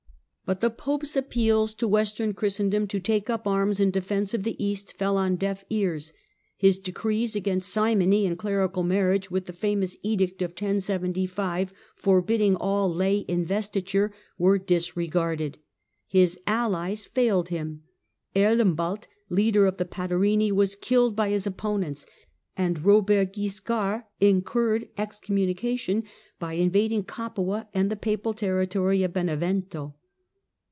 But the Pope's appeals to Western Christendom to take 'up arms in defence of the East fell on deaf ears ; his decrees against simony and clerical marriage, with the famous edict of 1075 forbidding all lay investiture, were disre garded. His allies failed him. Erlembald, leader of the Patarini, was killed by his opponents, and Eobert Guiscard incurred excommunication by invading Capua and the papal territory of Benevento.